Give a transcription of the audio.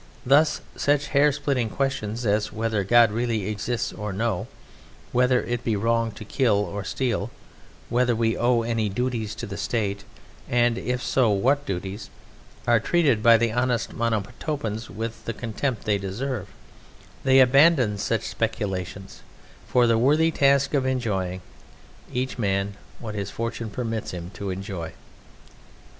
Thus such hair splitting questions as whether God really exists or no, whether it be wrong to kill or to steal, whether we owe any duties to the State, and, if so, what duties, are treated by the honest Monomotapans with the contempt they deserve: they abandon such speculation for the worthy task of enjoying, each man, what his fortune permits him to enjoy.